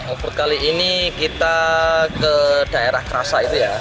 over kali ini kita ke daerah kerasa itu ya